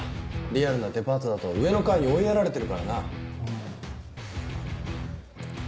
リアルなデパートだと上の階に追いやられてるからな。